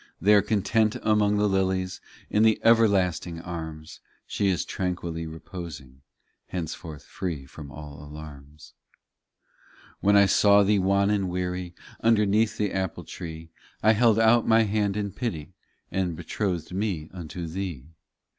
There, content among the lilies, In the everlasting arms, She is tranquilly reposing, Henceforth free from all alarms. 23 When I saw thee wan and weary. Underneath the apple tree; I held out My hand in pity, And betrothed Me unto thee.